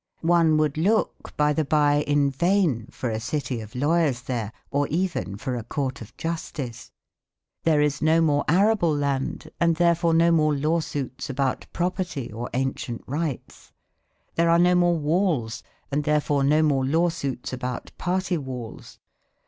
One would look, by the bye, in vain for a city of lawyers there, or even, for a court of justice. There is no more arable land and therefore no more lawsuits about property or ancient rights. There are no more walls, and therefore no more lawsuits about party walls.